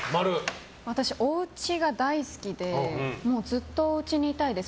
私、おうちが大好きでずっとおうちにいたいです。